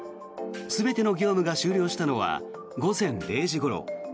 全ての業務が終了したのは午前０時ごろ。